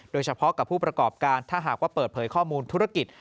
โดยเฉพาะกับผู้ประกอบการถ้าหากว่าเปิดเผยข้อมูลธุรกิจ